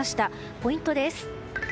ポイントです。